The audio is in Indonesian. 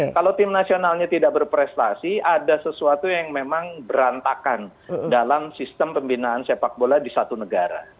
kalau tim nasionalnya tidak berprestasi ada sesuatu yang memang berantakan dalam sistem pembinaan sepak bola di satu negara